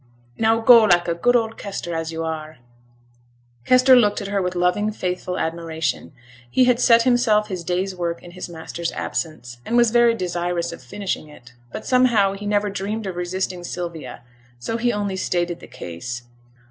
Now go, like a good old Kester as yo' are.' Kester looked at her with loving, faithful admiration. He had set himself his day's work in his master's absence, and was very desirous of finishing it, but, somehow, he never dreamed of resisting Sylvia, so he only stated the case.